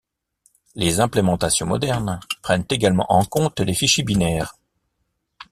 Les implémentations modernes prennent également en compte les fichiers binaires.